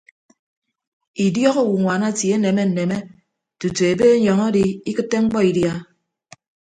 Idiọk owonwaan atie aneme nneme tutu ebe anyọñ adi idikịtte mkpọ idia.